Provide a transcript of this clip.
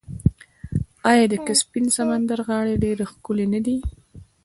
آیا د کسپین سمندر غاړې ډیرې ښکلې نه دي؟